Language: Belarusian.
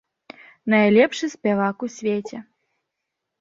Найлепшы спявак у свеце.